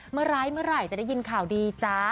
ร้ายเมื่อไหร่จะได้ยินข่าวดีจ๊ะ